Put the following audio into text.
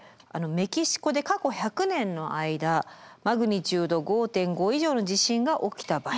メキシコで過去１００年の間マグニチュード５．５以上の地震が起きた場所。